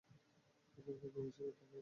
এখনকার দিনে শুধু টাকাই কথা বলে।